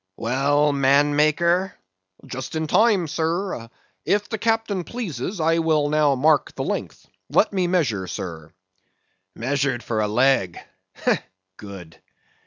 _) Well, manmaker! Just in time, sir. If the captain pleases, I will now mark the length. Let me measure, sir. Measured for a leg! good.